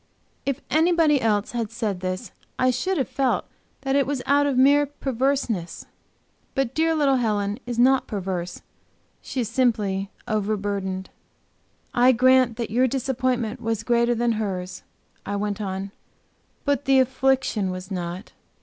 If anybody else had said this I should have felt that it was out of mere perverseness. But dear little Helen is not perverse; she is simply overburdened. "I grant that your disappointment was greater than hers," I went on. "But the affliction was not.